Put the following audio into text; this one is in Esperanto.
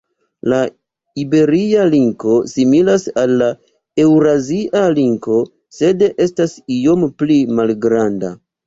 La iberia linko similas al la eŭrazia linko, sed estas iom pli malgranda.